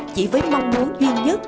chỉ với mong muốn duy nhất